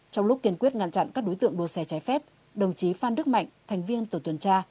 trong lúc kiên quyết ngăn chặn các đối tượng đua xe trái phép đồng chí phan đức mạnh thành viên tổ tuần tra